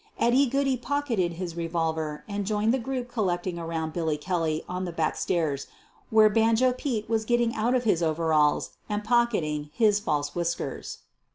Eddy Goodey pocketed his revolver and joined the group collecting around Billy Kelly on the back stairs, where " Banjo Pete" was getting out of his overalls and pocketing hii5 false whiskers.